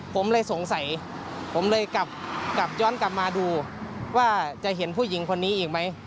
ผมเลยสงสัยผมเลยกลับย้อนกลับมาดูว่าจะเห็นผู้หญิงคนนี้อีกไหม